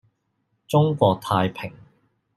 中國太平